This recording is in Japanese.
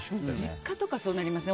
実家とかそうなりません？